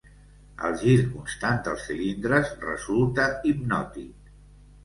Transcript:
El gir constant dels cilindres resulta hipnòtic.